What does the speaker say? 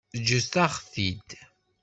Ǧǧet-aɣ-t-id.